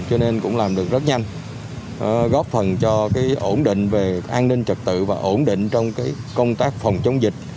cho nên cũng làm được rất nhanh góp phần cho ổn định về an ninh trật tự và ổn định trong công tác phòng chống dịch